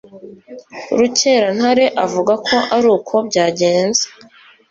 Rukerantare avuga ko aruko byagenze